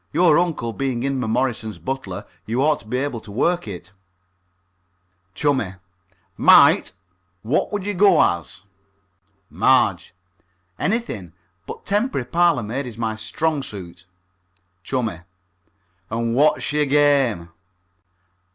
Your uncle being Inmemorison's butler, you ought to be able to work it. CHUMMIE: Might. What would you go as? MARGE: Anything but temporary parlour maid is my strong suit. CHUMMIE: And what's your game?